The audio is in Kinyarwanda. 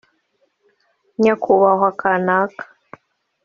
nyakubahwa kanaka